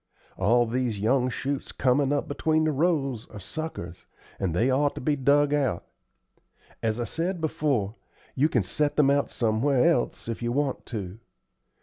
All these young shoots comin' up between the rows are suckers, and they ought to be dug out. As I said before, you can set them out somewhere else if you want to.